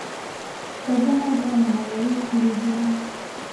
ډبونه د منورې کلی دی